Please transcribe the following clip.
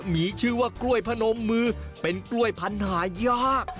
มีชื่อว่ากล้วยพนมมือเป็นกล้วยพันธุ์หายาก